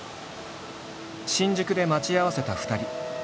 新宿で待ち合わせた２人。